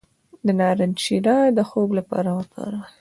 د نارنج شیره د خوب لپاره وکاروئ